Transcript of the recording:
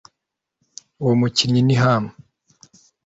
uwo mukinnyi ni ham